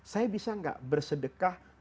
saya bisa gak bersedekah